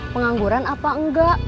pengangguran apa enggak